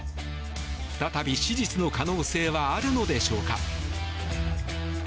再び手術の可能性はあるのでしょうか。